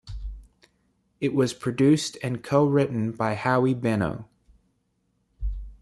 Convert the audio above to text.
It was produced and co-written by Howie Beno.